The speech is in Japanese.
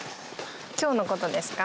今日の事ですか？